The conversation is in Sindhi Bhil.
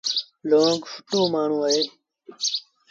لونگ سُٽو مآڻهوٚݩ اهي۔